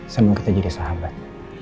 semang kita jadi sahabat